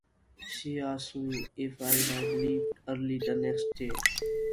She asked me if I had to leave early the next day.